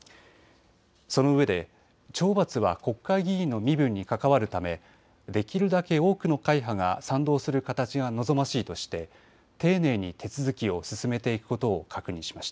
そのうえで懲罰は国会議員の身分に関わるため、できるだけ多くの会派が賛同する形が望ましいとして丁寧に手続きを進めていくことを確認しました。